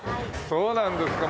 そうなんですか。